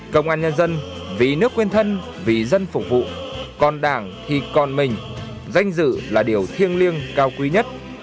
công an nhân dân vì nước quên thân vì dân phục vụ còn đảng thì còn mình danh dự là điều thiêng liêng cao quý nhất